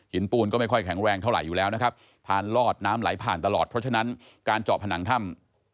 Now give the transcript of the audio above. ปูนก็ไม่ค่อยแข็งแรงเท่าไหร่อยู่แล้วนะครับทานลอดน้ำไหลผ่านตลอดเพราะฉะนั้นการเจาะผนังถ้ำ